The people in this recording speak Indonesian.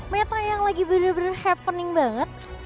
meta yang lagi bener bener happening banget